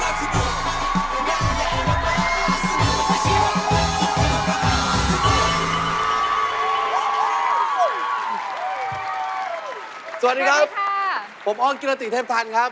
เออใช่รถมหาสนุกมันไม่ใช่รถตุ๊กตุ๊กมันรถมหาสนุก